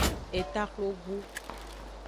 Eta xlogbu.